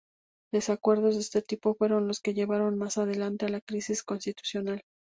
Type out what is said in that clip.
Desacuerdos de este tipo fueron los que llevaron más adelante a la crisis constitucional.